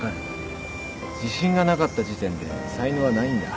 自信がなかった時点で才能はないんだ。